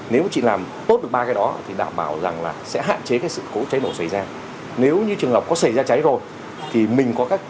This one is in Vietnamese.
nếu chị làm tốt được ba cái đó thì đảm bảo rằng là sẽ hạn chế cái sự cố cháy bầu xảy ra